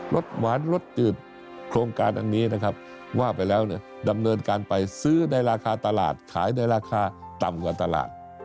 สหวานรสจืดโครงการอันนี้นะครับว่าไปแล้วเนี่ยดำเนินการไปซื้อในราคาตลาดขายในราคาต่ำกว่าตลาด